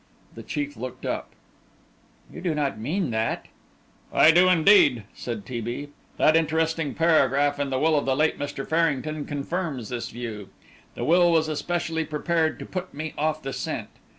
The chief looked up. "You do not mean that?" "I do indeed," said T. B. "That interesting paragraph in the will of the late Mr. Farrington confirms this view. The will was especially prepared to put me off the scent.